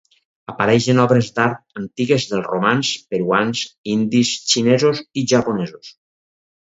Apareix en obres d'art antigues dels romans, peruans, indis, xinesos i japonesos.